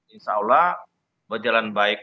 insya allah berjalan baik